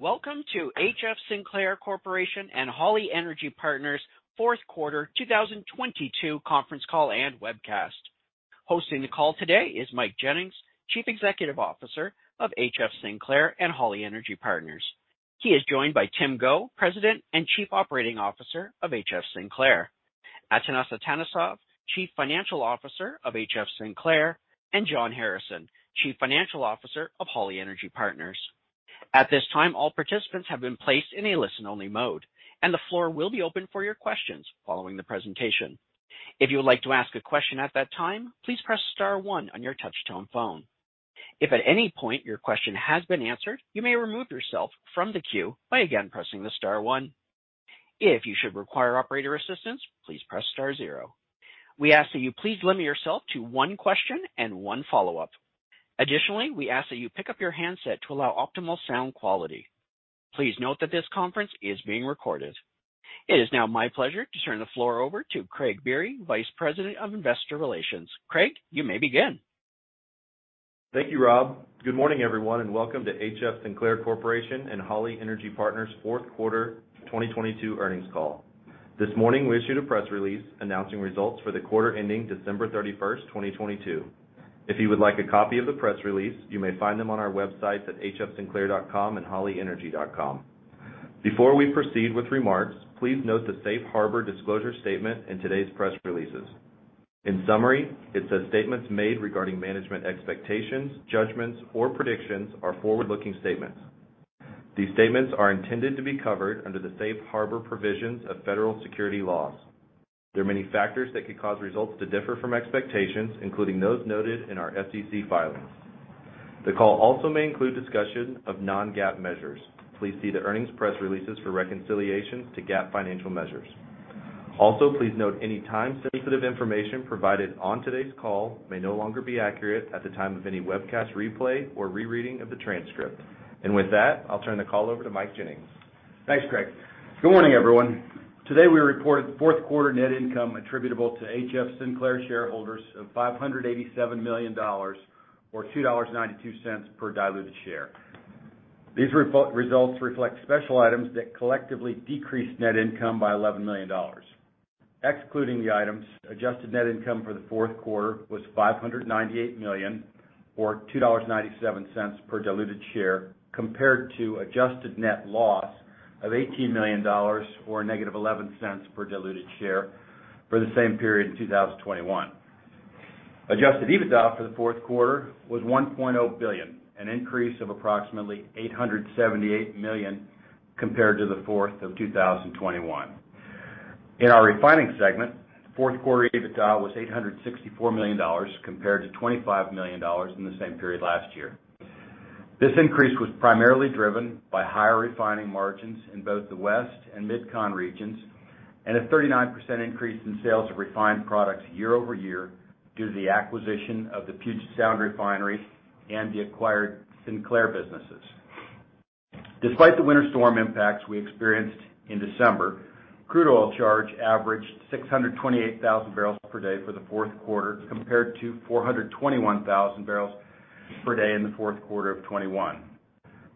Welcome to HF Sinclair Corporation and Holly Energy Partners 4th Quarter 2022 Conference Call and Webcast. Hosting the call today is Mike Jennings, Chief Executive Officer of HF Sinclair and Holly Energy Partners. He is joined by Tim Goh, President and Chief Operating Officer of HF Sinclair Atanasa Tanasov, Chief Financial Officer of HF Sinclair and John Harrison, Chief Financial Officer of Holly Energy Partners. At this time, all participants have been placed in a listen only mode and the floor will be open for your questions following the presentation. Please note that this conference is being recorded. Please note that this conference is being recorded. It is now my pleasure to turn the floor over to Craig Biery, Vice President of Investor Relations. Craig, you may begin. Thank you, Rob. Good morning, everyone, and welcome to HF Sinclair Corporation and Holly Energy Partners' 4th Quarter 2022 earnings call. This morning, we issued a press release announcing results for the quarter ending December 31, 2022. If you would like a copy of the press release, you may find them on our websites athupscnclair.comandhollyenergy.com. Before we proceed with remarks, Please note the Safe Harbor disclosure statement in today's press releases. In summary, it says statements made regarding management Objectations, judgments or predictions are forward looking statements. These statements are intended to be covered under the Safe Harbor provisions of federal security laws. There are many factors that could cause results to differ from expectations, including those noted in our SEC filings. The call also may include discussion of non GAAP measures. Please see the earnings press releases for reconciliations to GAAP Financial Measures. Also, please note any time sensitive information provided on today's Call may no longer be accurate at the time of any webcast replay or rereading of the transcript. And with that, I'll turn the call over to Mike Jennings. Thanks, Greg. Good morning, everyone. Today, we reported 4th quarter net income attributable to HF Sinclair shareholders of $587,000,000 or $2.92 per diluted share. These results reflect special items that collectively decreased net income by $11,000,000 Excluding the items, adjusted net income for the Q4 was $598,000,000 or $2.97 per diluted share compared to adjusted net loss of $18,000,000 or negative $0.11 per diluted share for the same period in 2021. Adjusted EBITDA for the Q4 was $1,000,000,000 an increase of approximately 878,000,000 compared to the 4th of 2021. In our refining segment, 4th quarter EBITDA was $864,000,000 compared to 25 $1,000,000 in the same period last year. This increase was primarily driven by higher refining margins in both the West And Mid Con regions and a 39% increase in sales of refined products year over year due to the acquisition of the Puget Sound Refinery and the acquired Sinclair businesses. Despite the winter storm impacts we experienced in December, Crude oil charge averaged 628,000 barrels per day for the Q4 compared to 421,000 barrels per day in the Q4 of 2021.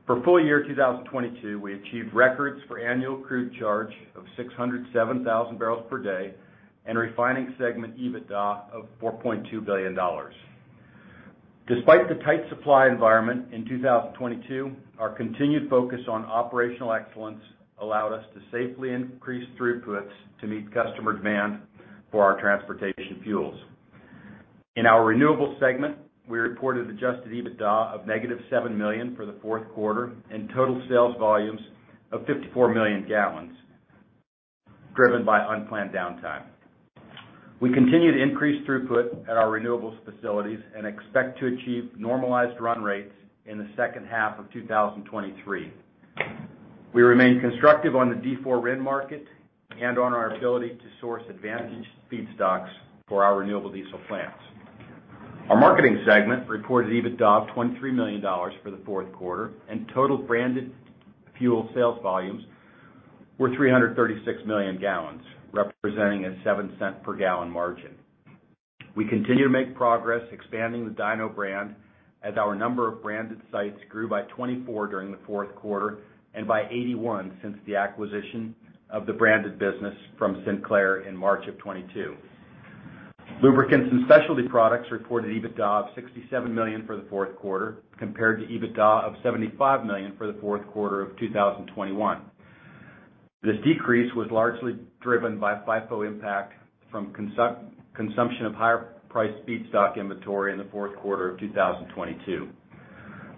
For full year 2022, we achieved records for annual crude charge of 607,000 barrels per day And refining segment EBITDA of $4,200,000,000 Despite the tight supply environment in 2022, Our continued focus on operational excellence allowed us to safely increase throughputs to meet customer demand for our transportation fuels. In our Renewables segment, we reported adjusted EBITDA of negative $7,000,000 for the 4th quarter and total sales volumes of 54,000,000 gallons driven by unplanned downtime. We continue to increase throughput at our renewables facilities and expect to achieve normalized run rates in the second half of twenty twenty three. We remain constructive on the D4 RIN market and on our ability to source advantaged feedstocks for our renewable diesel plants. Our marketing segment reported EBITDA of $23,000,000 for the 4th quarter and total branded fuel sales volumes We're 336,000,000 gallons, representing a $0.07 per gallon margin. We continue to make progress expanding the Dyno brand As our number of branded sites grew by 24 during the Q4 and by 81 since the acquisition of the branded business from Sinclair in March of 2022. Lubricants and Specialty Products reported EBITDA of $67,000,000 for the 4th quarter compared to EBITDA of $75,000,000 for the Q4 of 2021. This decrease was largely driven by FIFO impact from consumption of higher priced feedstock inventory in the Q4 of 2022.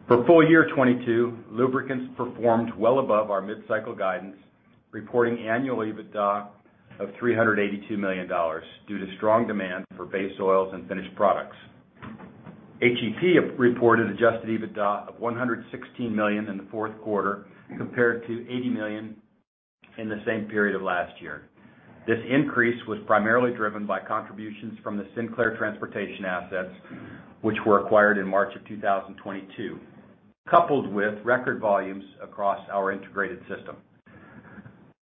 For full year 2022, Lubricants performed well above our mid cycle guidance, reporting annual EBITDA of $382,000,000 due to strong demand for base oils and finished products. HEP reported adjusted EBITDA of $116,000,000 in the 4th quarter compared to $80,000,000 in the same period of last year. This increase was primarily driven by contributions from the Sinclair Transportation assets, which were acquired in March of 2022, coupled with record volumes across our integrated system.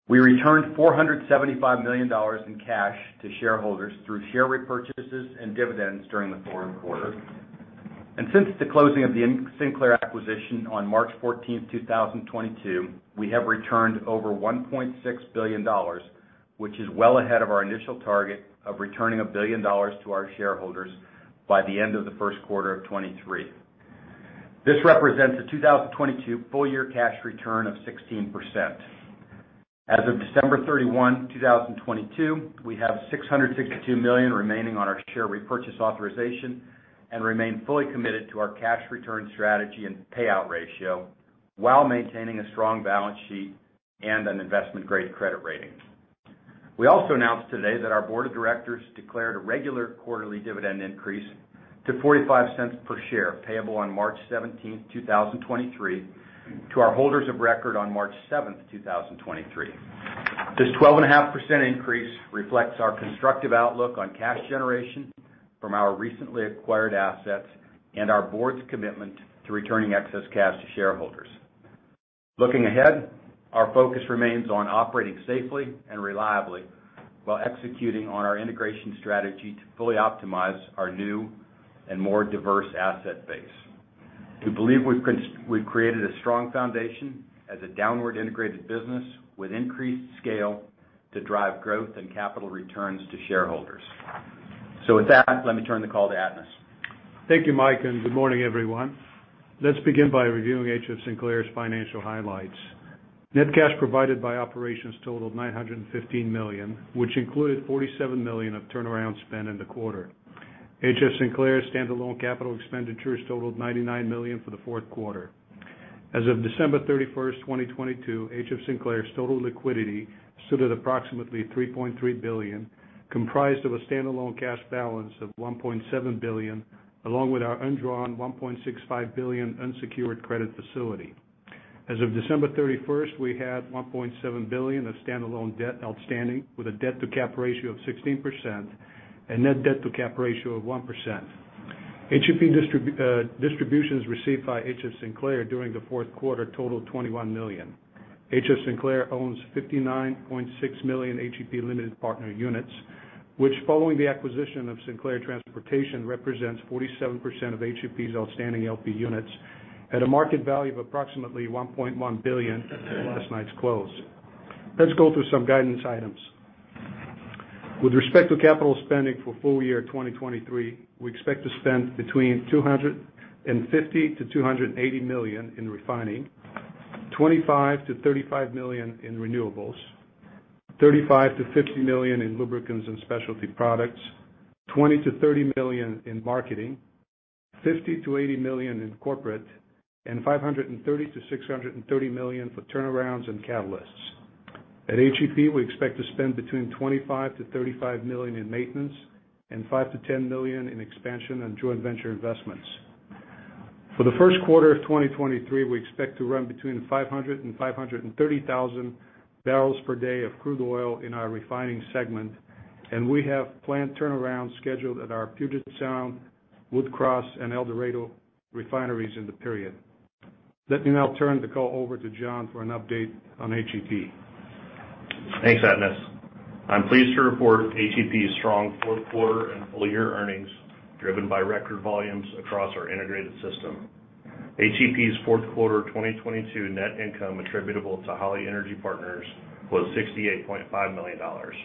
We returned $475,000,000 in cash to shareholders through share repurchases and dividends during the Q4. And since the closing of the Sinclair acquisition on March 14, 2022, we have returned over $1,600,000,000 which is well ahead of our initial target of returning $1,000,000,000 to our shareholders by the end of the Q1 of 2023. This represents a 2022 full year cash return of 16%. As of December 31, 20 22, we have $662,000,000 remaining on our share repurchase authorization and remain fully committed to our cash return strategy and payout ratio, while maintaining a strong balance sheet and an investment grade credit rating. We also announced today that our Board of Directors declared a regular Quarterly dividend increase to $0.45 per share payable on March 17, 2023 to our holders of record on March 7, 2023. This 12.5% increase reflects our constructive outlook on cash generation from our recently acquired assets and our Board's commitment to returning excess cash to shareholders. Looking ahead, our focus remains on operating safely and reliably while executing on our integration strategy to fully optimize our new and more diverse asset base. We believe we've created a strong foundation as a downward integrated business with increased scale to drive growth and capital returns to shareholders. So with that, let me turn the call to Atmos. Thank you, Mike, and good morning, everyone. Let's begin by reviewing HF Sinclair's financial highlights. Net cash provided by operations totaled 915,000,000 which included $47,000,000 of turnaround spend in the quarter. HF Sinclair's standalone capital expenditures totaled $99,000,000 for the 4th quarter. As of December 31, 2022, HF Sinclair's total liquidity stood at approximately $3,300,000,000 comprised of a standalone cash balance of $1,700,000,000 along with our undrawn $1,650,000,000 unsecured credit facility. As of December 31, we had $1,700,000,000 of standalone debt outstanding with a debt to cap ratio of 16 And net debt to cap ratio of 1%. HEP distributions received by H. F. Sinclair during the Q4 totaled 21,000,000 Rotation represents 47% of HUP's outstanding LP units at a market value of approximately $1,100,000,000 at last night's close. Let's go through some guidance items. With respect to capital spending for full year 2023, we expect to spend between 2 $50,000,000 to $280,000,000 in refining, dollars 25,000,000 to $35,000,000 in renewables, $35,000,000 to $50,000,000 in lubricants and specialty products $20,000,000 to $30,000,000 in marketing $50,000,000 to $80,000,000 in corporate and $530,000,000 to $630,000,000 for turnarounds and catalysts. At HEP, we expect to spend between $25,000,000 to $35,000,000 in maintenance and $5,000,000 to $10,000,000 in expansion and joint venture investments. For the Q1 of 2023, we expect to run between 500,000 530,000 barrels per day of crude oil in our refining segment and we have planned turnaround scheduled at our Puget Sound, Wood Cross and El Dorado Refineries in the period. Let me now turn the call over to John for an update on HEP. Thanks, Atnus. I'm pleased to report ATP's strong 4th quarter and full year earnings driven by record volumes across our integrated system. HEP's Q4 2022 net income attributable to Holly Energy Partners was 68.5 dollars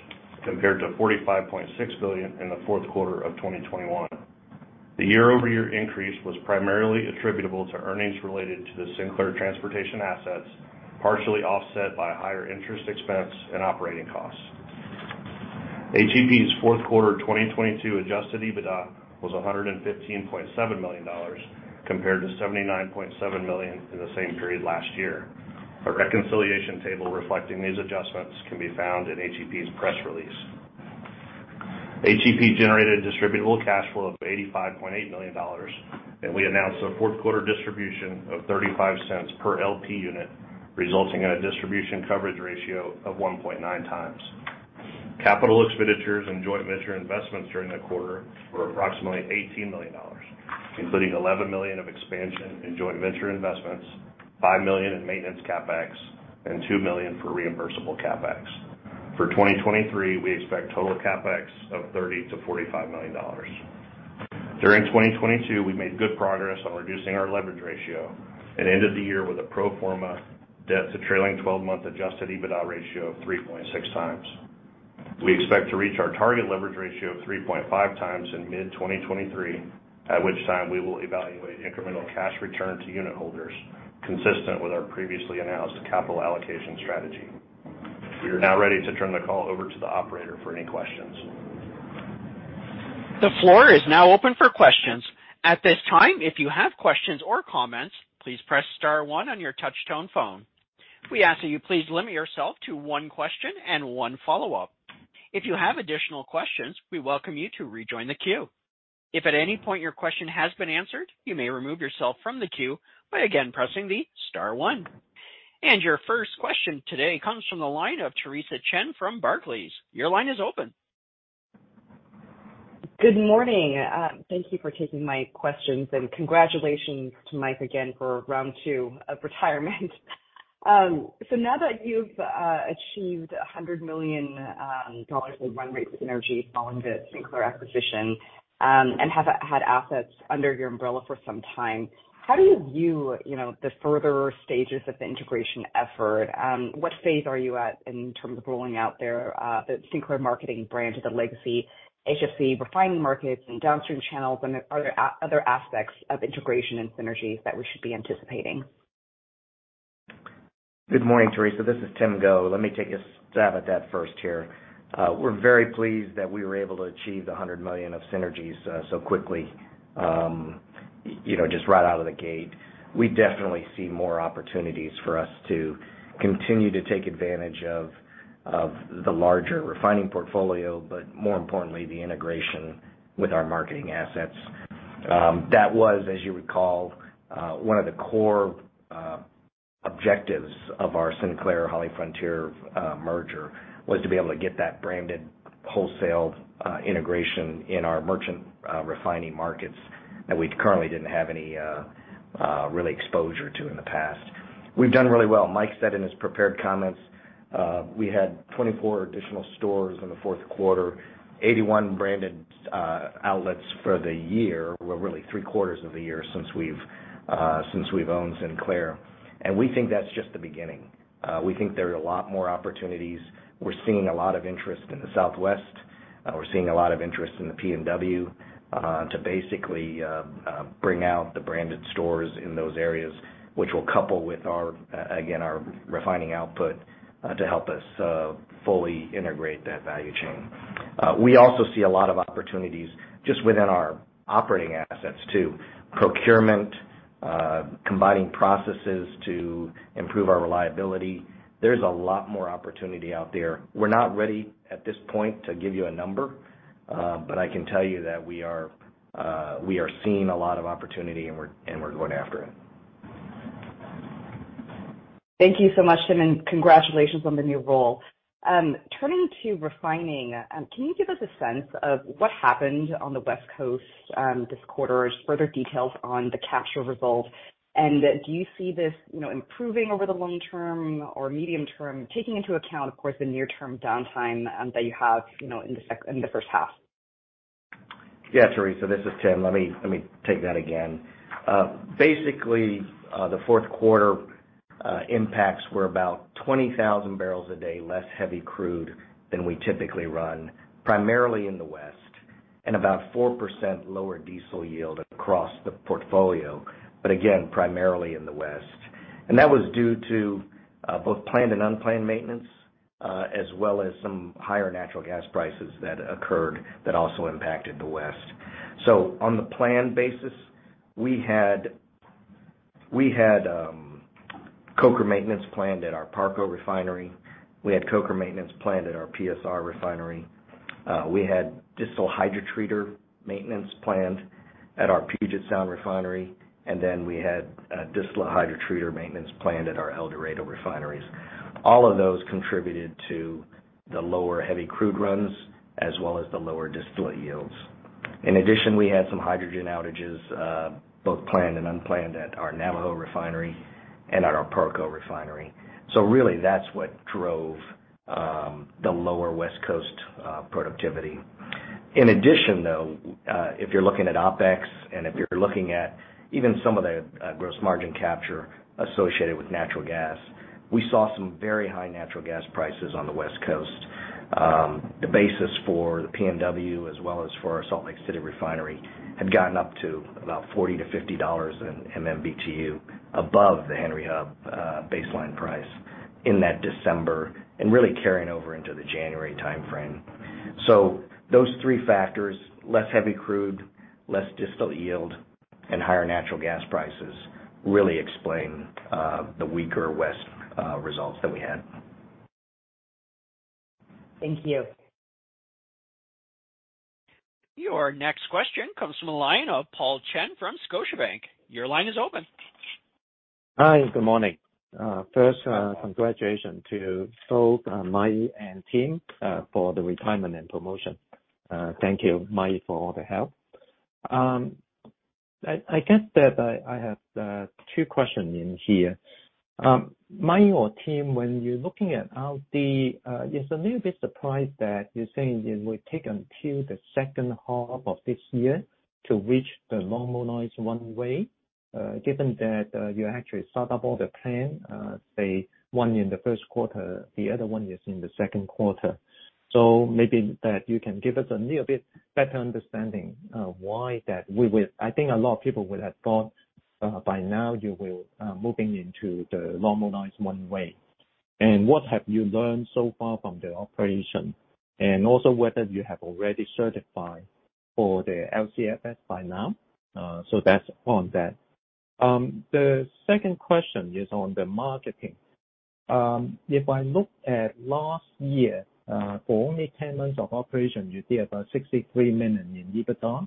compared to $45,600,000,000 in the Q4 of 2021. The year over year increase was primarily attributable to earnings related was $115,700,000 compared to $79,700,000 in the same period last year. A reconciliation table reflecting these adjustments This can be found in HEP's press release. HEP generated distributable cash flow of $85,800,000 and we announced a 4th quarter distribution $0.35 per LP unit, resulting in a distribution coverage ratio of 1.9 times. Capital expenditures and joint venture investments during the Quarter were approximately $18,000,000 including $11,000,000 of expansion in joint venture investments, dollars 5,000,000 in maintenance CapEx and $2,000,000 for reimbursable CapEx. For 2023, we expect total CapEx of $30,000,000 to $45,000,000 During 2022, we made good progress on reducing our leverage ratio and ended the year with a pro form a debt to trailing 12 month adjusted EBITDA We expect to reach our target leverage ratio of 3.5 times in mid-twenty 23, at which time we will evaluate incremental cash return to unitholders consistent with our previously announced capital allocation strategy. We are now ready to turn the call over to the operator for any questions. The floor is now open for questions. And your first question today comes from the line of Theresa Chen from Barclays. Your line is open. Good morning. Thank you for taking my questions and congratulations to Mike again for round 2 of retirement. So now that you've achieved $100,000,000 of run rate synergies following the Sinclair acquisition and have had assets under your umbrella for some time. How do you view the further stages of the integration effort? What phase are you at In terms of rolling out their Sinclair Marketing brand as a legacy HFC refining markets and downstream channels and other aspects of integration and synergies that we should be anticipating. Good morning, Theresa. This is Tim Goh. Let me take a stab at that first here. We're very pleased that we were able to achieve the $100,000,000 of synergies so quickly, just right out of the gate. We definitely see more opportunities for us to continue to take advantage of the larger refining portfolio, but More importantly, the integration with our marketing assets. That was, as you recall, one of the core Objectives of our Sinclair HollyFrontier merger was to be able to get that branded wholesale integration in our merchant Refining markets that we currently didn't have any really exposure to in the past. We've done really well. Mike said in his prepared comments, We had 24 additional stores in the 4th quarter, 81 branded outlets for the year, we're really 3 quarters of the year Since we've owned Sinclair and we think that's just the beginning. We think there are a lot more opportunities. We're seeing a lot of interest in the Southwest. We're seeing a lot of interest in the P and W to basically bring out the branded stores in those areas, which will couple with our Again, our refining output to help us fully integrate that value chain. We also see a lot of opportunities just within our Operating assets too, procurement, combining processes to improve our reliability. There's a lot more opportunity out there. We're not ready at this point to give you a number, but I can tell you that We are seeing a lot of opportunity and we're going after it. Thank you so much Tim and congratulations on the new role. Turning to refining, can you give us a sense of what happened on the West Coast this quarter, further details on the capture results? And do you see this improving over the long term or medium term taking into account, of course, the near term downtime that you have in the first half? Yes, Theresa, this is Tim. Let me take that again. Basically, the 4th quarter Impacts were about 20,000 barrels a day less heavy crude than we typically run, primarily in the West And about 4% lower diesel yield across the portfolio, but again, primarily in the West. And that was due to Both planned and unplanned maintenance, as well as some higher natural gas prices that occurred that also impacted the West. So on the planned basis, We had coker maintenance planned at our Parco Refinery. We had coker maintenance planned at our PSR Refinery. We had distill hydrotreater maintenance planned at our Puget Sound refinery and then we had distillate hydrotreater maintenance planned at our El Dorado refineries. All of those contributed to the lower heavy crude runs as well as the lower distillate yields. In addition, we had some hydrogen outages, both planned and unplanned at our Navajo refinery and at our Paracao refinery. So really that's what drove the lower West Coast productivity. In addition though, if you're looking at OpEx And if you're looking at even some of the gross margin capture associated with natural gas, we saw some very high natural gas prices On the West Coast, the basis for the PNW as well as for our Salt Lake City refinery had gotten up to About $40 to $50 an MMBtu above the Henry Hub baseline price in that December And really carrying over into the January timeframe. So those three factors, less heavy crude, less distal yield And higher natural gas prices really explain the weaker West results that we had. Thank you. Your next question comes from the line of Paul Chen from Scotiabank. Your line is open. Hi, good morning. First, congratulation to both Ma Yi and team for the retirement and promotion. Thank you, Mai, for all the help. I guess that I have two questions in here. My team, when you're looking at out the, it's a little bit surprised that you're saying it will take until the second half of this year To reach the normalize one way, given that you actually set up all the plan, say, 1 in the first quarter, The other one is in the Q2. So maybe that you can give us a little bit better understanding why that we will I think a lot of people would have thought By now, you will moving into the normalized runway. And what have you learned so far from the operation? And also whether you have already certified for the LCFS by now. So that's on that. The second question is on the marketing. If I look at last year, for only 10 months of operation, you see about 6 $3,000,000 in EBITDA,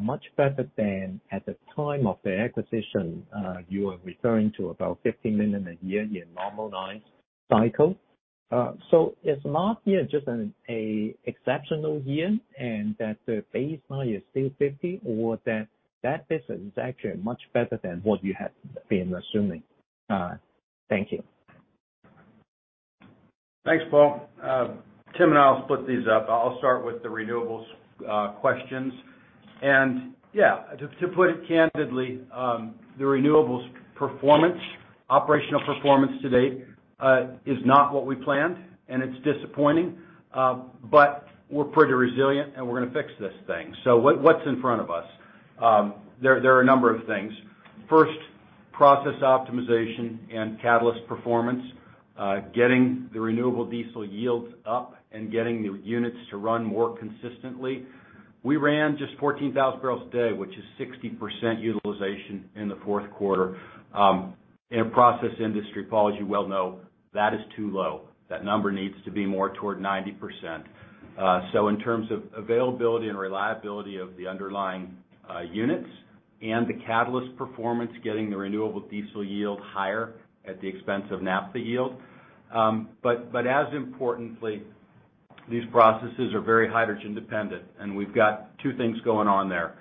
much better than at the time of the acquisition, you are referring to about $15,000,000 a year in normalize So is last year just an exceptional year and that the baseline is still 50 or That business is actually much better than what you had been assuming. Thank you. Thanks, Paul. Tim and I will split these up. I'll start with the renewables questions. And yes, to put it candidly, The renewables performance, operational performance today is not what we planned and it's disappointing, but We're pretty resilient and we're going to fix this thing. So what's in front of us? There are a number of things. 1st, Process optimization and catalyst performance, getting the renewable diesel yields up and getting the units to run more consistently. We ran just 14,000 barrels a day, which is 60% utilization in the Q4. In a process industry, Paul, as you well know, that is too low. That number needs to be more toward 90%. So in terms of availability and reliability of the underlying units And the catalyst performance getting the renewable diesel yield higher at the expense of naphtha yield. But as importantly, These processes are very hydrogen dependent and we've got 2 things going on there.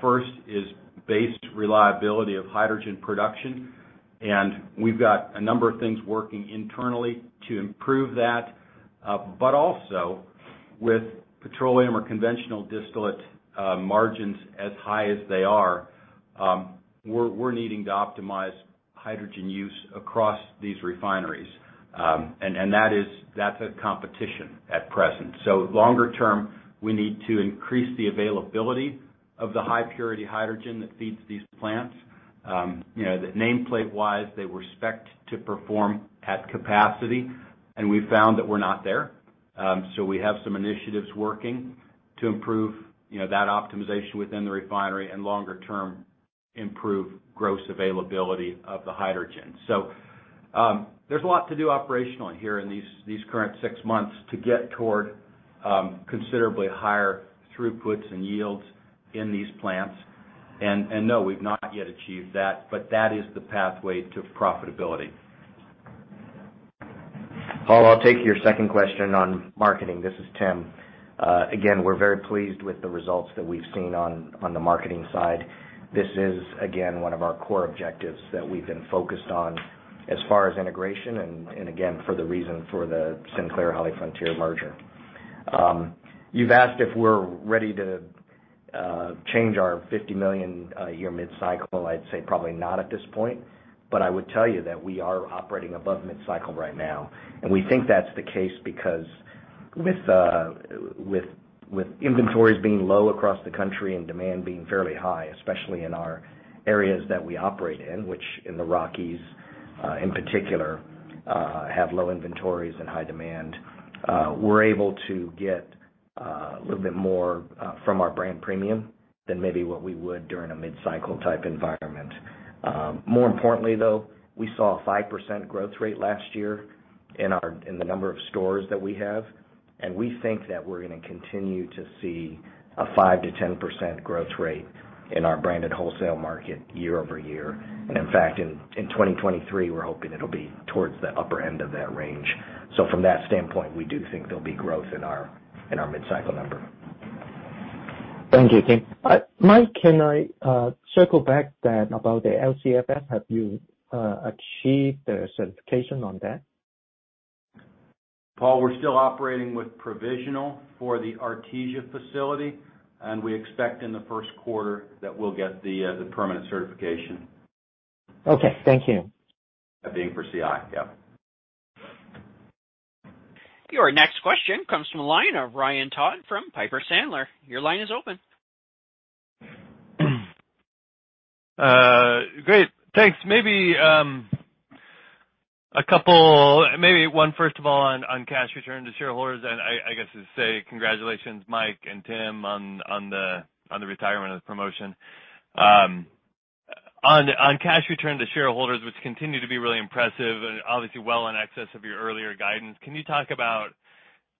First is based reliability of hydrogen production And we've got a number of things working internally to improve that, but also with petroleum or conventional distillate Margins as high as they are, we're needing to optimize hydrogen use across these refineries. And that is that's a competition at present. So longer term, we need to increase the availability Of the high purity hydrogen that feeds these plants, nameplate wise, they were spec'd to perform at capacity And we found that we're not there. So we have some initiatives working to improve that optimization within the refinery and longer term Improve gross availability of the hydrogen. So, there's a lot to do operationally here in these current 6 months to get toward Considerably higher throughputs and yields in these plants. And no, we've not yet achieved that, but that is the pathway to profitability. Paul, I'll take your second question on marketing. This is Tim. Again, we're very pleased with the results We've seen on the marketing side. This is again one of our core objectives that we've been focused on as far as integration and again for the reason for the Sinclair HollyFrontier merger. You've asked if we're ready to change our $50,000,000 a year mid cycle. I'd say Probably not at this point, but I would tell you that we are operating above mid cycle right now. And we think that's the case because With inventories being low across the country and demand being fairly high, especially in our areas that we operate in, which in the Rockies In particular, have low inventories and high demand. We're able to get a little bit more from our brand premium Than maybe what we would during a mid cycle type environment. More importantly though, we saw a 5% growth rate last year In the number of stores that we have and we think that we're going to continue to see a 5% to 10% growth rate in our branded wholesale market year over year. And in fact, in 2023, we're hoping it will be towards the upper end of that range. So from that standpoint, we do think there'll be growth and our mid cycle number. Thank you, Tim. Mike, can I circle back then about the LCFF, have you Achieve the certification on that? Paul, we're still operating with provisional for the Artesia facility And we expect in the Q1 that we'll get the permanent certification. Okay. Thank you. That being for CI, yes. Your next question comes from the line of Ryan Todd from Piper Sandler. Your line is open. Great. Thanks. Maybe A couple maybe one first of all on cash return to shareholders and I guess to say congratulations Mike and Tim on the retirement of the promotion. On cash return to shareholders, which continue to be really impressive and obviously well in excess of your earlier guidance, can you talk about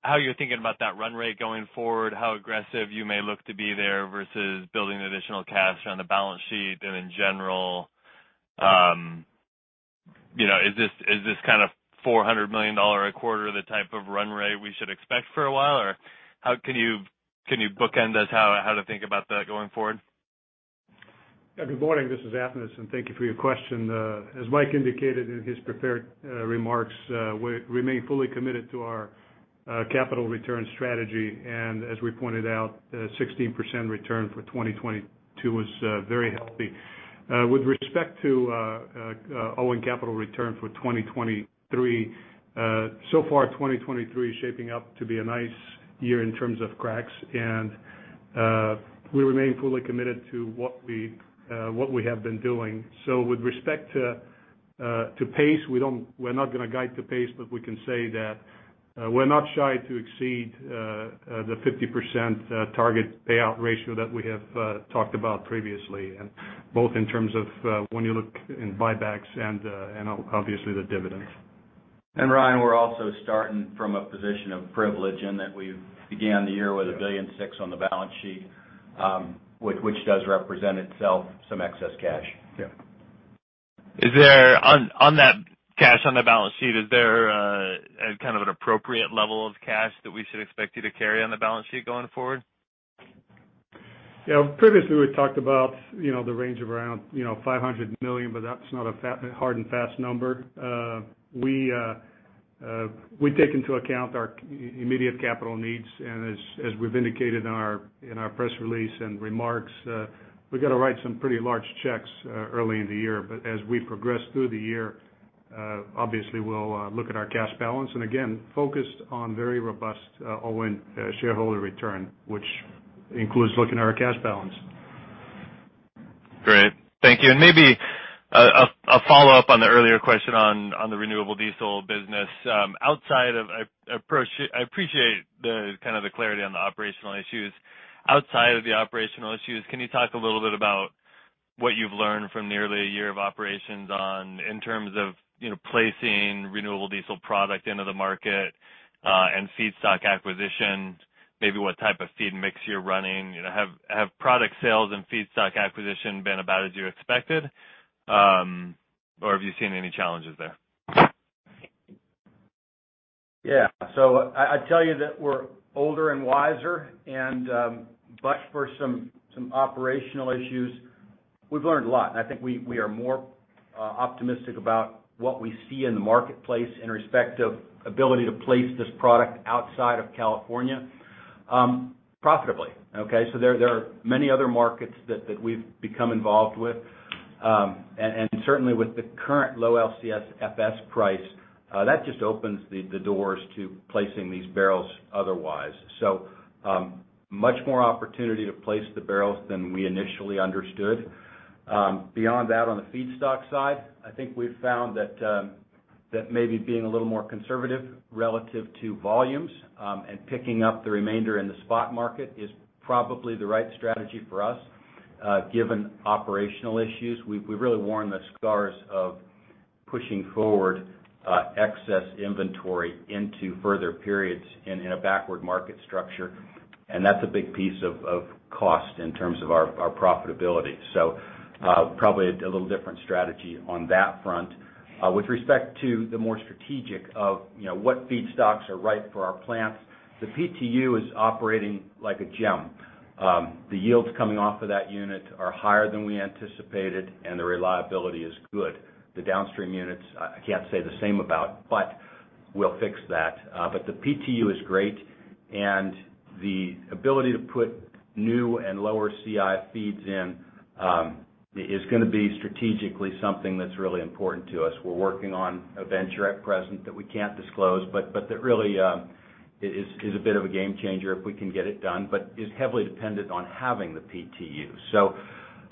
How you're thinking about that run rate going forward? How aggressive you may look to be there versus building additional cash on the balance sheet? And in general, Is this kind of $400,000,000 a quarter the type of run rate we should expect for a while? Or how Can you bookend us how to think about that going forward? Good morning. This is Athanas and thank you for your question. As Mike indicated in his prepared Remarks, we remain fully committed to our capital return strategy and as we pointed out, 16% return for 2020 2 was very healthy. With respect to owing capital return for 2023, So far 2023 shaping up to be a nice year in terms of cracks and we remain fully committed to What we have been doing. So with respect to pace, we don't we're not going to guide to pace, but we can say that We're not shy to exceed the 50% target payout ratio that we have talked about previously, both in terms of when you look And buybacks and obviously the dividends. And Ryan, we're also starting from a position of privilege and that we began the year with $1,600,000,000 on the balance Which does represent itself some excess cash. Yes. Is there on that Cash on the balance sheet, is there kind of an appropriate level of cash that we should expect you to carry on the balance sheet going forward? Yes. Previously we talked about the range of around $500,000,000 but that's not a hard and fast number. We take into account our immediate capital needs and as we've indicated in our press release and remarks, We got to write some pretty large checks early in the year, but as we progress through the year, obviously we'll look at our cash balance and again focused on very robust Owen shareholder return, which includes looking at our cash balance. Great. Thank you. And maybe A follow-up on the earlier question on the renewable diesel business. Outside of I appreciate the kind of the clarity on the operational issues. Outside of the operational issues, can you talk a little bit about what you've learned from nearly a year of operations on in terms of Placing renewable diesel product into the market and feedstock acquisitions, maybe what type of feed mix You're running, have product sales and feedstock acquisition been about as you expected or have you seen any challenges there? Yes. So I'd tell you that we're older and wiser and, but for Some operational issues, we've learned a lot and I think we are more optimistic about what we see in the marketplace in respect of Ability to place this product outside of California, profitably, okay. So there are many other markets that we've become involved with. And certainly with the current low LCSFS price, that just opens the doors to placing these barrels otherwise. So Much more opportunity to place the barrels than we initially understood. Beyond that on the feedstock side, I think we've found That may be being a little more conservative relative to volumes and picking up the remainder in the spot market is probably the right strategy for us Given operational issues, we've really worn the scars of pushing forward excess inventory into further periods And in a backward market structure, and that's a big piece of cost in terms of our profitability. So probably a little different Strategy on that front, with respect to the more strategic of what feedstocks are right for our plants, The PTU is operating like a gem. The yields coming off of that unit are higher than we anticipated and the reliability is good. The downstream units, I can't say the same about, but we'll fix that. But the PTU is great and The ability to put new and lower CI feeds in is going to be strategically Something that's really important to us. We're working on a venture at present that we can't disclose, but that really is a bit of a game changer if we can get it done, but It's heavily dependent on having the PTU. So,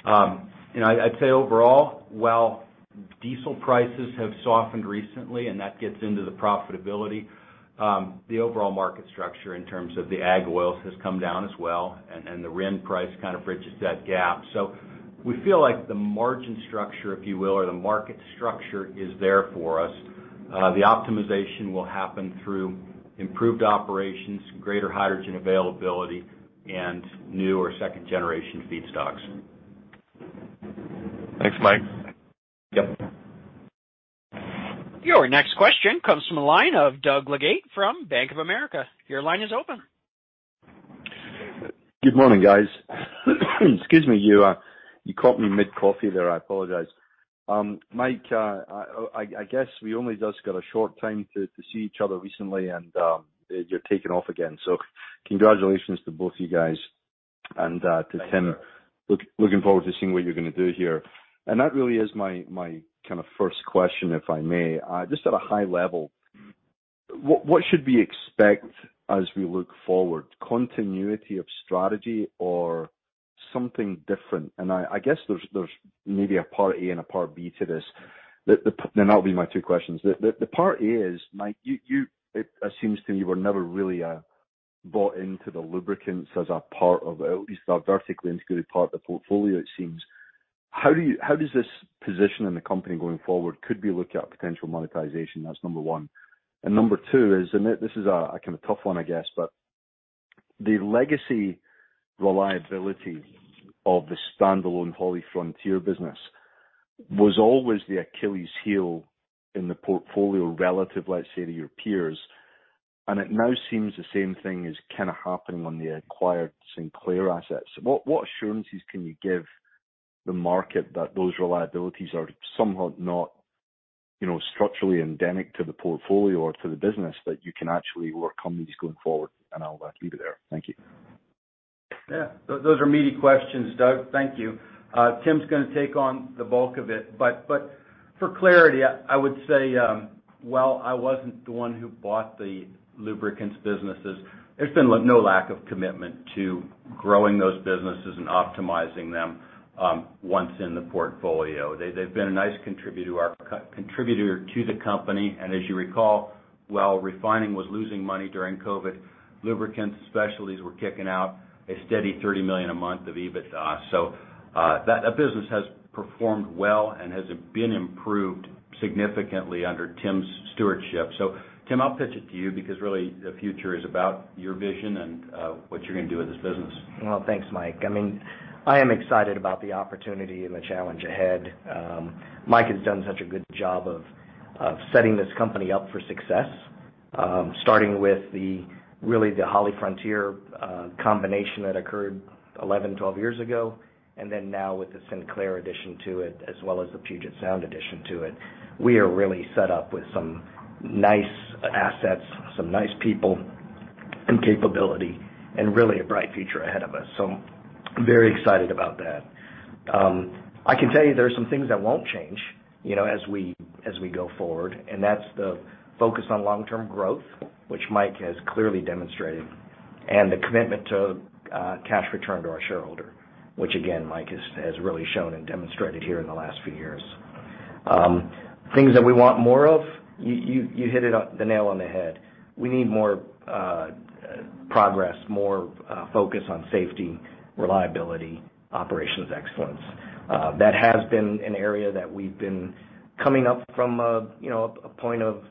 I'd say overall, while diesel prices have softened recently and that The overall market structure in terms of the ag oils has come down as well and the RIN price kind of bridges that gap. So We feel like the margin structure, if you will, or the market structure is there for us. The optimization will happen through Improved operations, greater hydrogen availability and new or second generation feedstocks. Thanks, Mike. Yes. Your next question comes from the line of Doug Leggate from Bank of America. Your line is open. Good morning, guys. Excuse me, you caught me mid coffee there. I apologize. Mike, I guess we only just got a short time to see each other recently and you're taking off again. So congratulations to both of you guys And to Tim, looking forward to seeing what you're going to do here. And that really is my kind of first question, if I may. Just at a high level, What should we expect as we look forward, continuity of strategy or something different? And I guess there's Maybe a Part A and a Part B to this. Then that will be my 2 questions. The Part A is, Mike, you it seems to me you were never really Bought into the lubricants as a part of at least a vertically integrated part of the portfolio it seems. How do you how does this Positioning the company going forward could be looking at potential monetization. That's number 1. And number 2 is, Amit, this is a kind of tough one, I guess, but The legacy reliability of the standalone HollyFrontier business was always the Achilles' heel In the portfolio relative, let's say, to your peers, and it now seems the same thing is kind of happening on the acquired Sinclair Assets, what assurances can you give the market that those reliabilities are somewhat not Structurally endemic to the portfolio or to the business that you can actually work on these going forward. And I'll leave it there. Thank you. Yes. Those are meaty questions, Doug. Thank you. Tim's going to take on the bulk of it. But for clarity, I would say, Well, I wasn't the one who bought the lubricants businesses. There's been no lack of commitment to growing those businesses and optimizing them Once in the portfolio, they've been a nice contributor to the company. And as you recall, While refining was losing money during COVID, lubricants and specialties were kicking out a steady $30,000,000 a month of EBITDA. So that business has Performed well and has been improved significantly under Tim's stewardship. So Tim, I'll pitch it to you because really the future is about your vision and what you're going to do with this business? Well, thanks, Mike. I mean, I am excited about the opportunity and the challenge ahead. Mike has done such a good job of Setting this company up for success, starting with the really the HollyFrontier combination that occurred 11, 12 years ago And then now with the Sinclair addition to it as well as the Puget Sound addition to it, we are really set up with some nice assets, some nice people And capability and really a bright future ahead of us. So I'm very excited about that. I can tell you there are some things that won't change As we go forward and that's the focus on long term growth, which Mike has clearly demonstrated And the commitment to cash return to our shareholder, which again, Mike has really shown and demonstrated here in the last few years. Things that we want more of? You hit it the nail on the head. We need more Progress, more focus on safety, reliability, operations excellence. That has been an area that we've been Coming up from a point of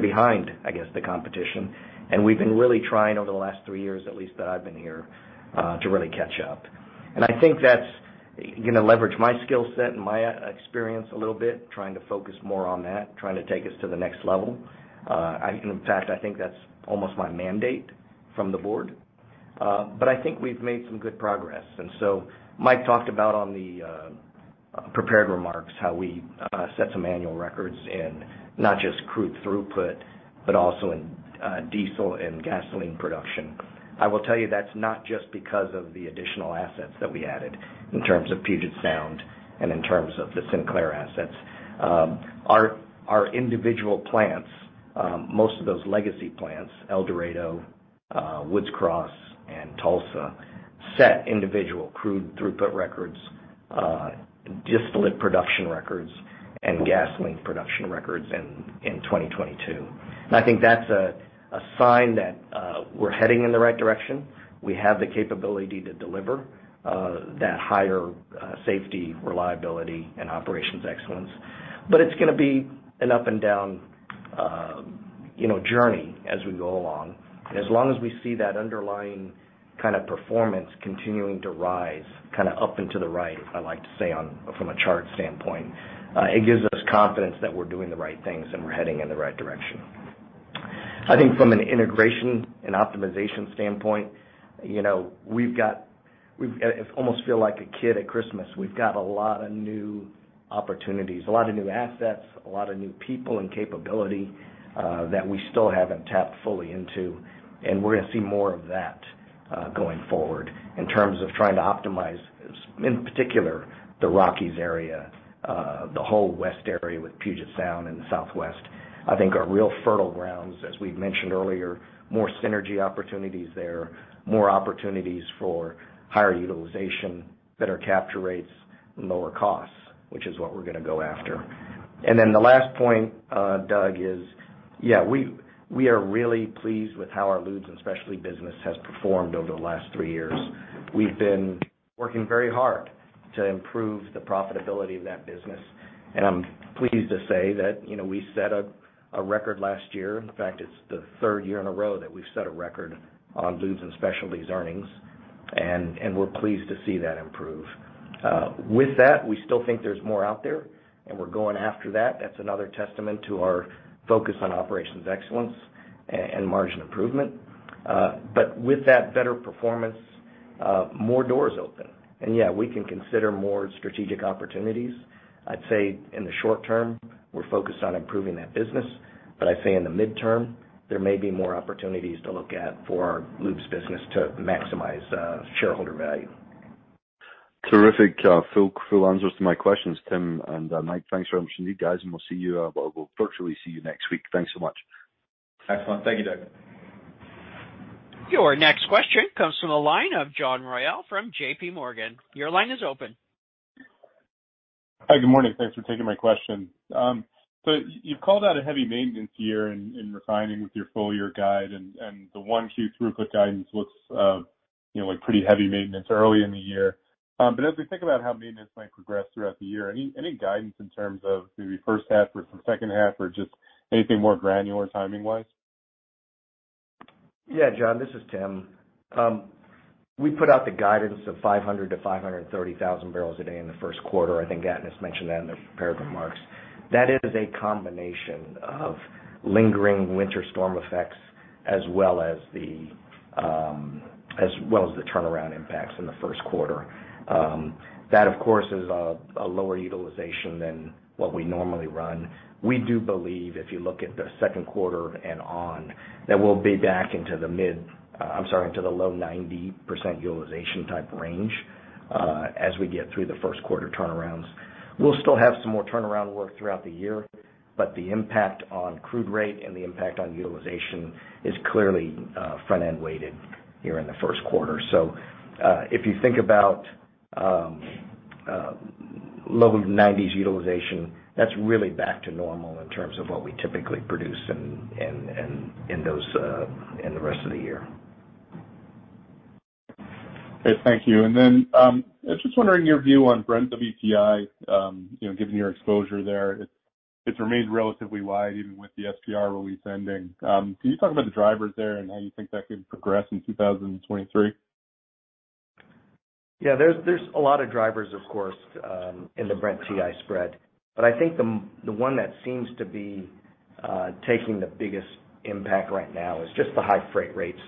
behind, I guess, the competition. And we've been really trying over the last 3 years, at least that I've to really catch up. And I think that's going to leverage my skill set and my experience a little bit, trying to focus more on that, trying to take us to the In fact, I think that's almost my mandate from the Board. But I think we've made some good progress. And so Mike talked about on the prepared remarks how we set some annual records in not just crude throughput, But also in diesel and gasoline production. I will tell you that's not just because of the additional assets that we added In terms of Puget Sound and in terms of the Sinclair assets, our individual plants, most of those legacy plants, El Dorado, Woods Cross and Tulsa set individual crude throughput records, distillate production records And gasoline production records in 2022. And I think that's a sign that we're heading in the right direction. We have the capability to deliver that higher safety, reliability and operations excellence. But it's going to be an up and down Journey as we go along. And as long as we see that underlying kind of performance continuing to rise Kind of up into the right, I like to say on from a chart standpoint. It gives us confidence that we're doing the right things and we're heading in the right direction. I think from an integration and optimization standpoint, we've got we've almost feel like a kid at Christmas. We've got a lot of new opportunities, a lot of new assets, a lot of new people and capability that we still haven't tapped fully into And we're going to see more of that going forward in terms of trying to optimize, in particular, the Rockies area, The whole west area with Puget Sound in the Southwest, I think are real fertile grounds as we've mentioned earlier, more synergy opportunities there, More opportunities for higher utilization, better capture rates and lower costs, which is what we're going to go after. And then the last point, Doug is yes, we are really pleased with how our Lids and Specialty business has performed over the last 3 years. We've been Working very hard to improve the profitability of that business. And I'm pleased to say that we set A record last year and in fact it's the 3rd year in a row that we've set a record on Lubes and Specialties earnings and we're pleased to see that improve. With that, we still think there's more out there and we're going after that. That's another testament to our focus on operations excellence And margin improvement. But with that better performance, more doors open. And yes, we can consider more strategic opportunities. I'd say in the short term, we're focused on improving that business. But I'd say in the midterm, there may be more opportunities Look at for our lubes business to maximize shareholder value. Terrific. Full answers to my questions, Tim and Mike. Thanks very much indeed, guys, and we'll You will virtually see you next week. Thanks so much. Excellent. Thank you, Doug. Your next question comes from the line of John Royall from JPMorgan. Your line is open. Hi, good morning. Thanks for taking my question. So you called out a heavy maintenance year in refining with your full year guide and The 1Q throughput guidance looks like pretty heavy maintenance early in the year. But as we think about how maintenance might progress throughout the year, any guidance in terms of Maybe first half versus second half or just anything more granular timing wise? Yes, John, this is Tim. We put out the guidance of 500,000 to 530,000 barrels a day in the Q1. I think Gattanis mentioned that in the prepared remarks. That is a combination of lingering winter storm effects as well as the As well as the turnaround impacts in the Q1. That of course is a lower utilization than what we normally run. We do believe if you look at the Q2 and on that we'll be back into the mid I'm sorry into the low 90% utilization type range as we get through the Q1 turnarounds. We'll still have some more turnaround work throughout the year, but the impact on crude rate and the impact on utilization It's clearly front end weighted here in the Q1. So if you think about low 90s utilization, That's really back to normal in terms of what we typically produce in those in the rest of the year. Okay. Thank you. And then, I was just wondering your view on Bren WTI, given your exposure there. It remains relatively wide even with the SPR release ending. Can you talk about the drivers there and how you think that could progress in 2023? Yes, there's a lot of drivers of course in the Brent TI spread. But I think the one that seems to be Taking the biggest impact right now is just the high freight rates,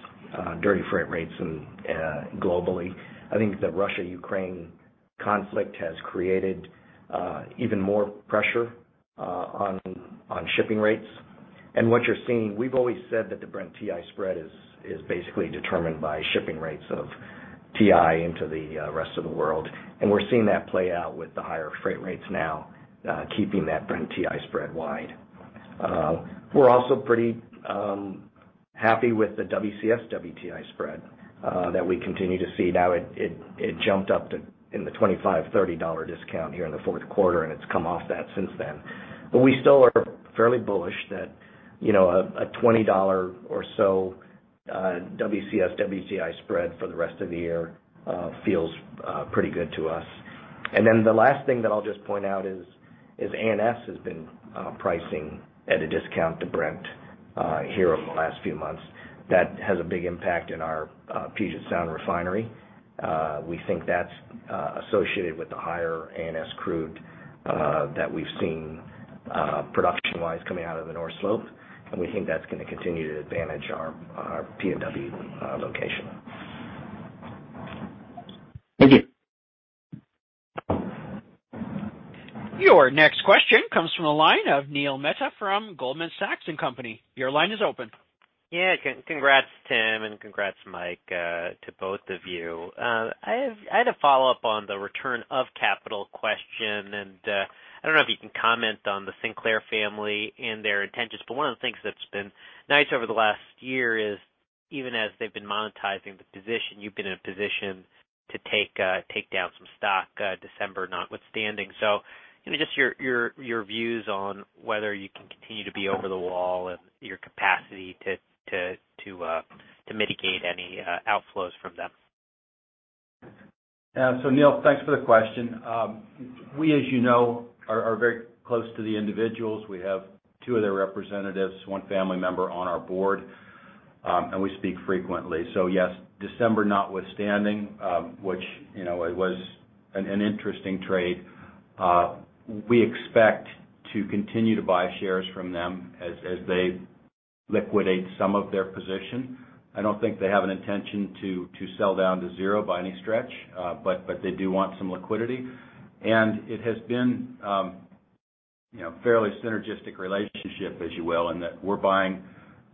dirty freight rates globally. I think the Russia Ukraine Conflict has created even more pressure on shipping rates. And what you're seeing, we've always said that the Brent TI spread It's basically determined by shipping rates of TI into the rest of the world. And we're seeing that play out with the higher freight rates now, Keeping that Brent TI spread wide. We're also pretty happy with the WCS WTI spread That we continue to see now it jumped up in the $25 $30 discount here in the Q4 and it's come off that since then. But we still are Fairly bullish that a $20 or so WCS, WTI spread for the rest of the year Feels pretty good to us. And then the last thing that I'll just point out is A and S has been pricing at a discount to Brent Here over the last few months that has a big impact in our Puget Sound refinery. We think that's associated with the higher ANS Crude that we've seen production wise coming out of the North Slope, and we think that's going to continue to advantage our P and W location. Thank you. Your next question comes from the line of Neil Mehta from Goldman Sachs and Company, your line is open. Yes. Congrats, Tim, and congrats, Mike, to both of you. I had a follow-up on The return of capital question and I don't know if you can comment on the Sinclair family and their intentions, but one of the things that's been nice over the last year is Even as they've been monetizing the position, you've been in a position to take down some stock December notwithstanding. So Just your views on whether you can continue to be over the wall and your capacity to mitigate any outflows from them. So Neil, thanks for the question. We, as you know, are very close to the individuals. We have 2 of the representatives, one family member on our Board, and we speak frequently. So yes, December notwithstanding, which it was And an interesting trade. We expect to continue to buy shares from them as they Liquidate some of their position. I don't think they have an intention to sell down to 0 by any stretch, but they do want some liquidity. And it has been fairly synergistic relationship, as you will, and that we're buying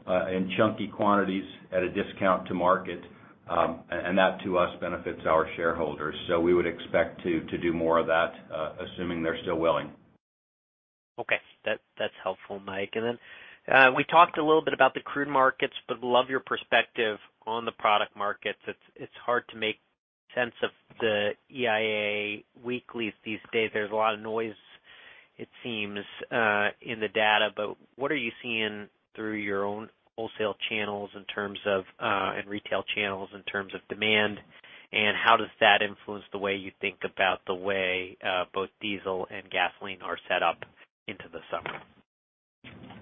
in chunky quantities At a discount to market, and that to us benefits our shareholders. So we would expect to do more of that, assuming they're still willing. Okay. That's helpful, Mike. And then, we talked a little bit about the crude markets, but love your perspective on the product markets. It's hard to make The EIA weekly these days, there's a lot of noise, it seems, in the data, but what are you seeing through your own Wholesale channels in terms of and retail channels in terms of demand and how does that influence the way you think about the way both diesel and gasoline are set up into the playing our setup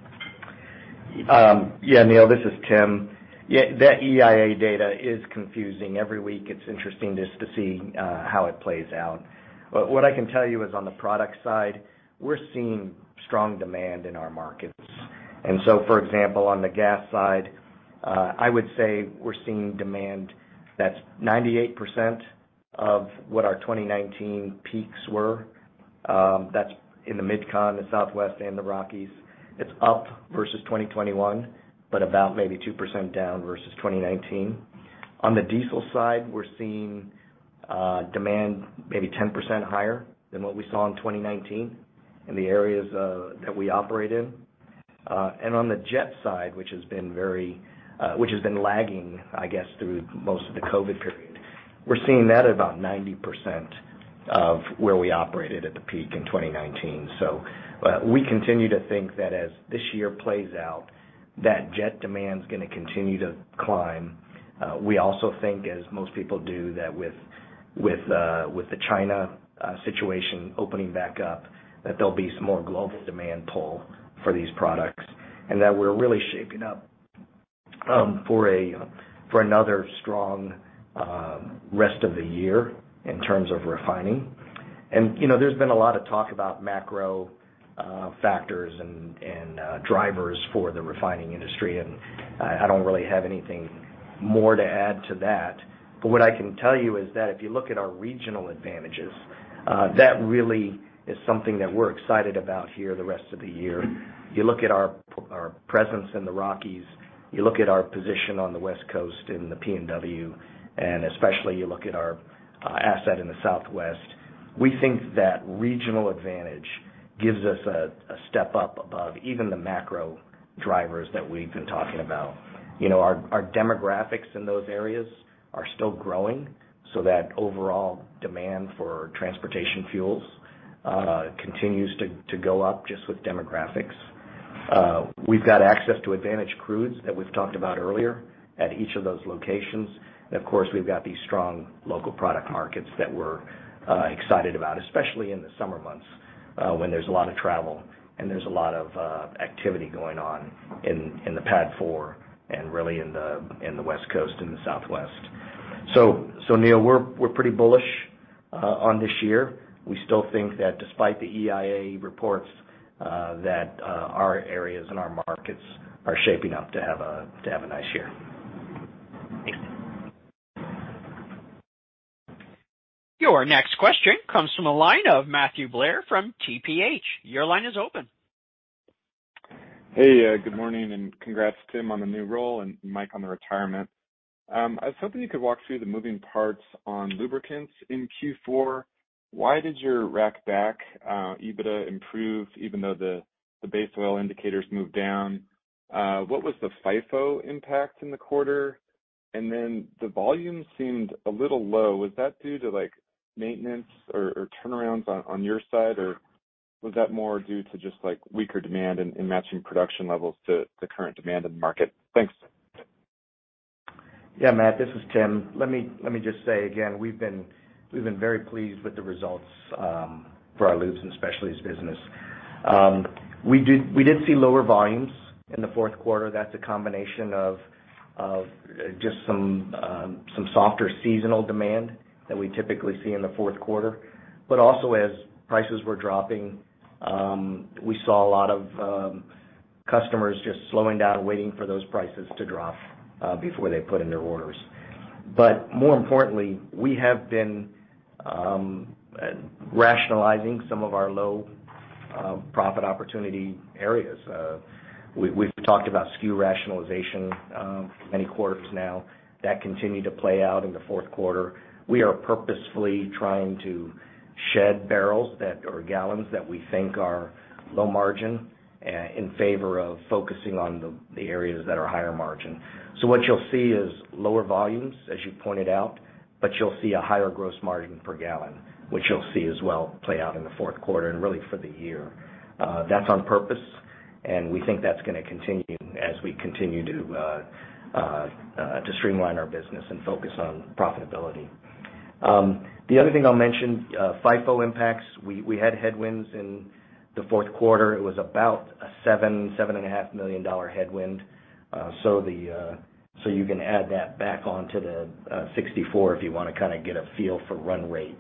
into the summer. Yes, Neal, this is Tim. The EIA data is Confusing every week. It's interesting just to see how it plays out. But what I can tell you is on the product side, we're seeing Strong demand in our markets. And so for example, on the gas side, I would say we're seeing demand That's 98% of what our 2019 peaks were. That's in the Mid Con, the Southwest and the Rockies. It's up versus 2021, but about maybe 2% down versus 2019. On the diesel side, we're seeing Demand maybe 10% higher than what we saw in 2019 in the areas that we operate in. And on the jet side, which has been very which has been lagging, I guess, through most of the COVID period, We're seeing that at about 90% of where we operated at the peak in 2019. So we continue to think that as this year plays out That jet demand is going to continue to climb. We also think as most people do that with the China Situation opening back up that there'll be some more global demand pull for these products and that we're really shaping up For another strong rest of the year in terms of refining. And there's been a lot of talk about macro Factors and drivers for the refining industry and I don't really have anything more to add to that. What I can tell you is that if you look at our regional advantages, that really is something that we're excited about here the rest of the year. If you look at our Presence in the Rockies, you look at our position on the West Coast in the PNW and especially you look at our asset in the Southwest, We think that regional advantage gives us a step up above even the macro drivers that we've been Our demographics in those areas are still growing. So that overall demand for transportation fuels Continues to go up just with demographics. We've got access to advantaged crudes that we've talked about earlier At each of those locations, of course, we've got these strong local product markets that we're excited about, especially in the summer months when there's a lot of travel And there's a lot of activity going on in the PADD IV and really in the West Coast and the Southwest. So Neil, we're pretty bullish On this year, we still think that despite the EIA reports that our areas and our markets Are shaping up to have a nice year. Your next question comes from the line of Matthew Blair from TPH. Your line is open. Hey, good morning and congrats Tim on the new role and Mike on the retirement. I was hoping you could walk through the moving parts on lubricants in Q4. Why did your Rack Back EBITDA improve even though the base oil indicators moved down? What was the FIFO impact in the quarter? And then the volume seemed a little low. Was that due to like maintenance or turnarounds on your side? Or Was that more due to just like weaker demand and matching production levels to the current demand in the market? Thanks. Yes, Matt, this is Tim. Let me just say again, we've been very pleased with the results for our lubes and specialties business. We did see lower volumes in the 4th quarter. That's a combination of just some softer seasonal demand That we typically see in the Q4, but also as prices were dropping, we saw a lot of Customers just slowing down waiting for those prices to drop before they put in their orders. But more importantly, we have been Rationalizing some of our low profit opportunity areas. We've talked about SKU rationalization Many quarters now that continue to play out in the Q4. We are purposefully trying to shed barrels that or gallons that we think are Low margin in favor of focusing on the areas that are higher margin. So what you'll see is lower volumes as you pointed out, But you'll see a higher gross margin per gallon, which you'll see as well play out in the Q4 and really for the year. That's on purpose And we think that's going to continue as we continue to streamline our business and focus on profitability. The other thing I'll mention, FIFO impacts, we had headwinds in the Q4. It was about a $7,000,000 $7,500,000 headwind. So you can add that back on to the 64 if you want to kind of get a feel for run rate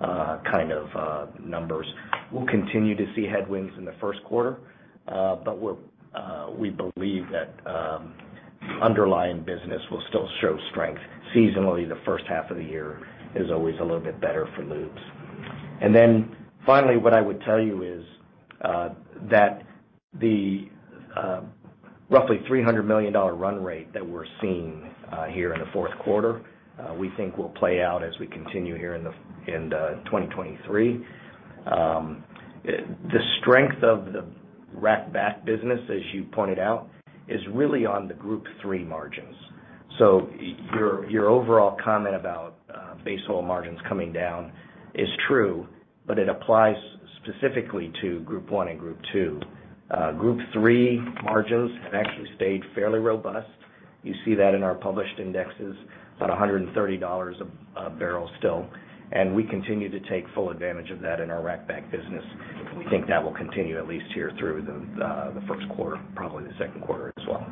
kind of numbers. We'll continue to see headwinds in the Q1, but we believe that Underlying business will still show strength. Seasonally, the first half of the year is always a little bit better for lubes. And then finally, what I would tell you is That the roughly $300,000,000 run rate that we're seeing here in the 4th quarter, We think will play out as we continue here in 2023. The strength of the Rack Back Business, as you pointed out, is really on the Group 3 margins. So your overall comment about Base oil margins coming down is true, but it applies specifically to Group 1 and Group 2. Group 3 margins have actually stayed fairly robust. You see that in our published indexes, about $130 a And we continue to take full advantage of that in our Rack Bag business. We think that will continue at least here through the Q1, probably the Q2 as well.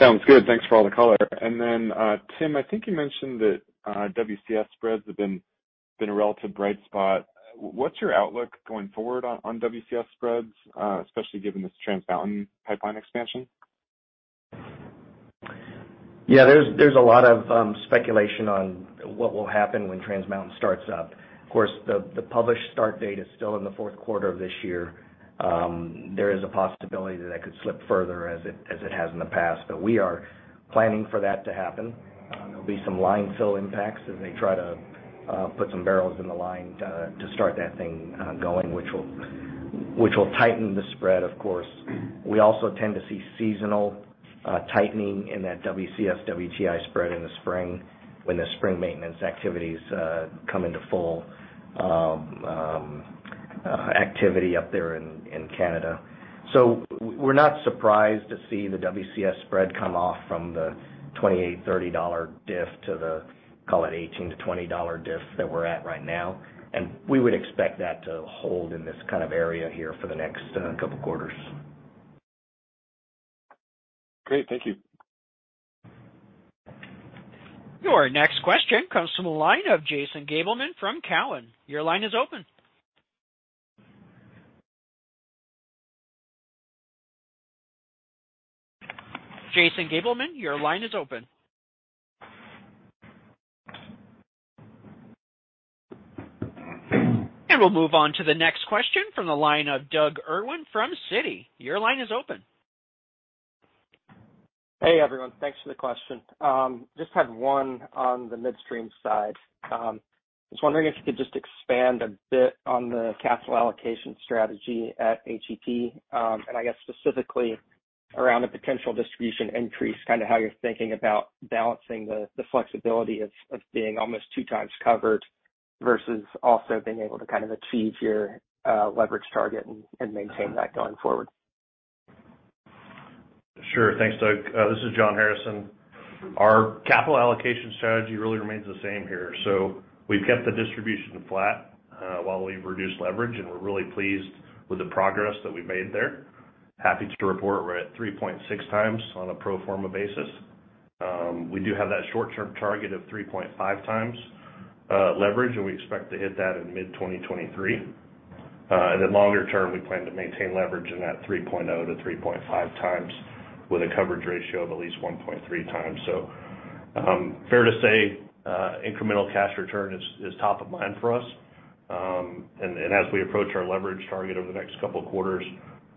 Sounds good. Thanks for all the color. And then, Tim, I think you mentioned that WCS spreads have In a relative bright spot, what's your outlook going forward on WCS spreads, especially given this Trans Mountain pipeline expansion? Yes, there's a lot of speculation on what will happen when Trans Mountain starts up. Of course, the published start date is still in the Q4 of this year. There is a possibility that that could slip further as it has in the past, but we are Planning for that to happen. There will be some line fill impacts as they try to put some barrels in the line to start that thing going, which will tighten the spread of course. We also tend to see seasonal tightening in that WCS WTI spread in the spring When the spring maintenance activities come into full, activity up there in Canada. So we're not surprised to see the WCS spread come off from the $28,000 $30 diff to the Call it $18 to $20 diff that we're at right now and we would expect that to hold in this kind of area here for the next couple of quarters. Great. Thank you. Your next question comes from the line of Jason Gabelman from Cowen. Jason Gabelman, your line is open. And we'll move on to the next question from the line of Doug Irwin from Citi. Your line is open. Hey, everyone. Thanks for the question. Just had one on the midstream side. I was wondering if you could just expand a bit on the capital allocation strategy at HEP, and I guess specifically Around the potential distribution increase, kind of how you're thinking about balancing the flexibility of being almost 2 times covered versus also being able to kind of achieve your leverage target and maintain that going forward? Sure. Thanks, Doug. This is John Harrison. Our capital allocation strategy really remains the same here. So we've kept the distribution flat While we've reduced leverage and we're really pleased with the progress that we've made there, happy to report we're at 3.6 times on a pro form a basis. We do have that short term target of 3.5x leverage and we expect to hit that in mid-twenty 20 3. In the longer term, we plan to maintain leverage in that 3.0 to 3.5 times with a coverage ratio of at least 1.3 times. So Fair to say incremental cash return is top of mind for us. And as we approach our leverage target over the next couple of quarters,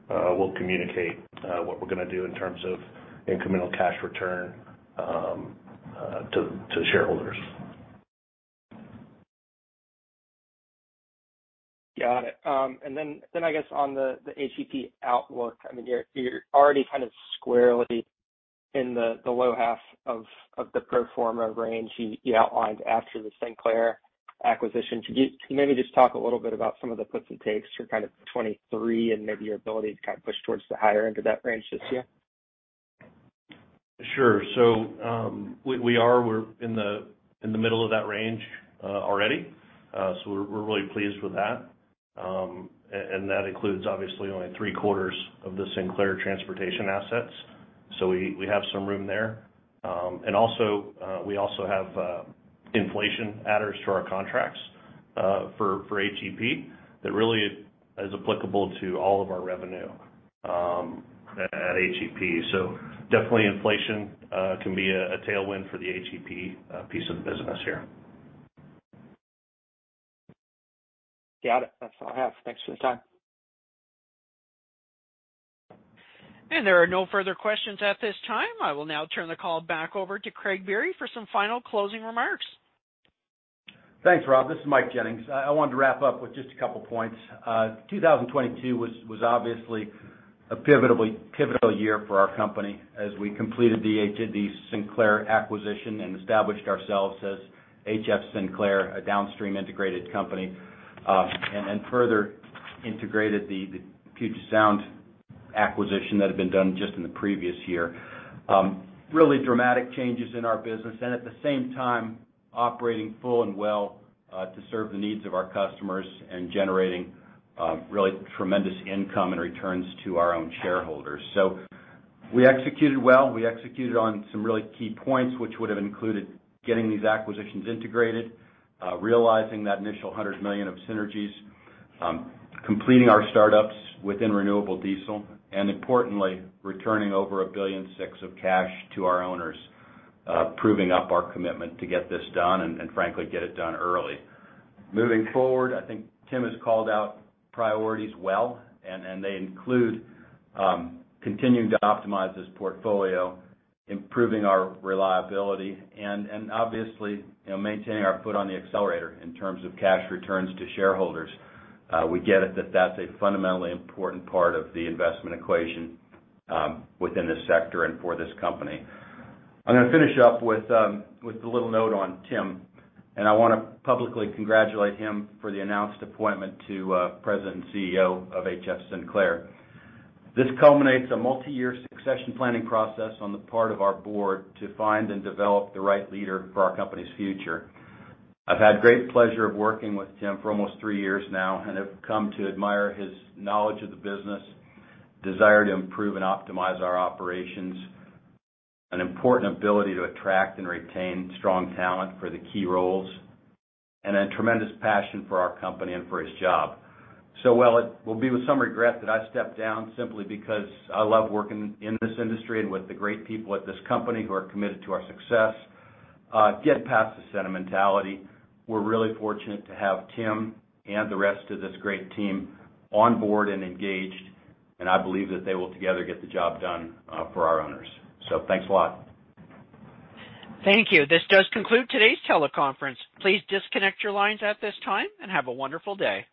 We'll communicate what we're going to do in terms of incremental cash return to shareholders. Got it. And then I guess on the HEP outlook, I mean, you're already kind of squarely In the low half of the pro form a range you outlined after the Sinclair acquisition, could you maybe just talk a little bit about some of the puts and takes for kind of 23 and maybe your ability to kind of push towards the higher end of that range this year? Sure. So we are In the middle of that range already. So we're really pleased with that. And that includes obviously only 3 quarters Of the Sinclair Transportation assets, so we have some room there. And also we also have Inflation adders to our contracts for HEP that really is applicable to all of our revenue At HEP, so definitely inflation can be a tailwind for the HEP piece of the business here. Got it. That's all I have. Thanks for the time. And there are no further questions at this time. I will now turn the call back over to Craig Berry for some final closing remarks. Thanks, Rob. This is Mike Jennings. I wanted to wrap up with Just a couple of points. 2022 was obviously a pivotal year for our company as we completed the Sinclair acquisition and established ourselves as HF Sinclair, a downstream integrated company, and further integrated the Sound acquisition that had been done just in the previous year. Really dramatic changes in our business and at the same time Operating full and well to serve the needs of our customers and generating really tremendous income and returns to our own shareholders. So We executed well. We executed on some really key points, which would have included getting these acquisitions integrated, realizing that initial $100,000,000 of synergies, Completing our startups within renewable diesel and importantly, returning over $1,600,000,000 of cash to our owners, Proving up our commitment to get this done and frankly get it done early. Moving forward, I think Tim has called out Priorities well and they include continuing to optimize this portfolio, improving our reliability and obviously Maintaining our foot on the accelerator in terms of cash returns to shareholders. We get it that that's a fundamentally important part of the investment equation within this sector and for this company. I'm going to finish up with a little note on Tim, and I want to publicly congratulate him For the announced appointment to President and CEO of HF Sinclair. This culminates a multiyear succession planning process on the part of our Board To find and develop the right leader for our company's future, I've had great pleasure of working with Tim for almost 3 years now and have come to admire his Knowledge of the business, desire to improve and optimize our operations, an important ability to attract and retain strong talent for the key roles And a tremendous passion for our company and for its job. So well, it will be with some regret that I stepped down simply because I love working in this industry and with the great people at this company who are committed to our success, get past the sentimentality. We're really fortunate to have Tim And the rest of this great team onboard and engaged, and I believe that they will together get the job done for our owners. So thanks a lot. Thank you. This does conclude today's teleconference. Please disconnect your lines at this time and have a wonderful day.